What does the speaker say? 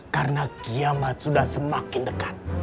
karena kiamat sudah semakin dekat